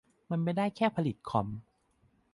มันไม่ได้แค่ผลิตคอม